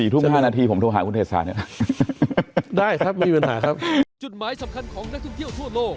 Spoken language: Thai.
๔ทุ่ม๕นาทีผมโทรหาคุณเทศภาคเนี่ย